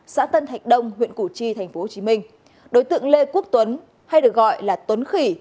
xã tân thạch đông huyện củ chi tp hcm đối tượng lê quốc tuấn hay được gọi là tuấn khỉ